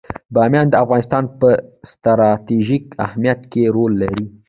بامیان د افغانستان په ستراتیژیک اهمیت کې رول لري.